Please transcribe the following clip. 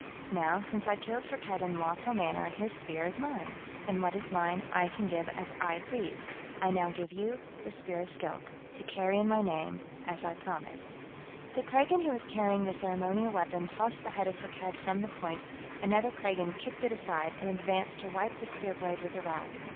Now, since I killed Firkked in lawful manner, his Spear is mine, and what is mine I can give as I please. I now give you the Spear of Skilk, to carry in my name, as I promised." The Kragan who was carrying the ceremonial weapon tossed the head of Firkked from the point; another Kragan kicked it aside and advanced to wipe the spear blade with a rag.